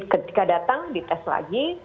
ketika datang dites lagi